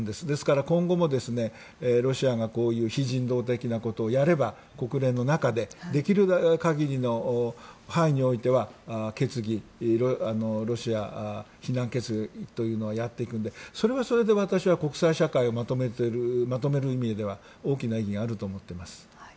ですから、今後もロシアがこういう非人道的なことをやれば国連の中でできる限りの範囲においてはロシア非難決議をやっていくのでそれはそれで私は国際社会をまとめるうえでは大きな意義があると思っています。